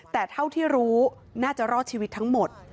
แต่เท่าที่รู้น่าจะรอดชีวิตทั้งหมด